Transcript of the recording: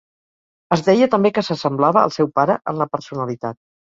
Es deia també que s'assemblava al seu pare en la personalitat.